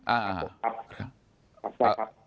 อ่าครับขอบคุณครับ